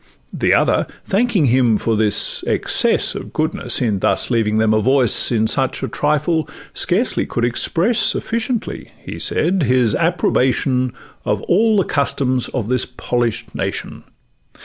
The other, thanking him for this excess Of goodness, in thus leaving them a voice In such a trifle, scarcely could express 'Sufficiently' (he said) 'his approbation Of all the customs of this polish'd nation.